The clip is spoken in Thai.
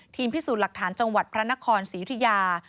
พิสูจน์หลักฐานจังหวัดพระนครศรียุธิยา